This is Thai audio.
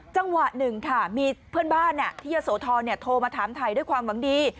จังหวะหนึ่งค่ะมีเพื่อนบ้านที่ยะโสธรโทรมาถามไทยด้วยความหวังดี